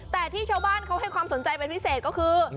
แต่ที่ชาวบ้านเขาให้ความสนใจเป็นพิเศษก็คือ